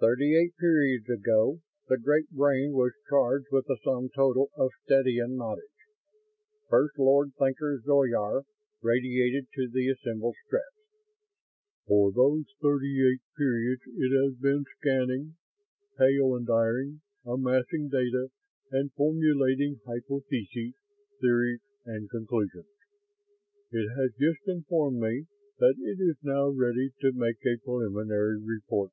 "Thirty eight periods ago the Great Brain was charged with the sum total of Strettsian knowledge," First Lord Thinker Zoyar radiated to the assembled Stretts. "For those thirty eight periods it has been scanning, peyondiring, amassing data and formulating hypotheses, theories, and conclusions. It has just informed me that it is now ready to make a preliminary report.